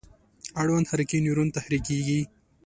اړوند حرکي نیورون تحریکیږي.